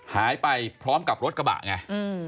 หายไปพร้อมกับรถกระบะไง